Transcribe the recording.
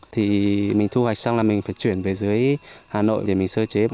thì mình thu hoạch xong là mình phải chuyển về dưới hà nội để mình sơ chế